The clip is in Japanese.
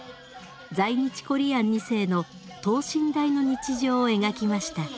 在日コリアン２世の等身大の日常を描きました。